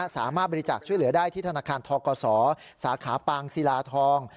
สามารถบริจาคช่วยเหลือได้ที่ธนาคารทกศสาขาปางศิลาทอง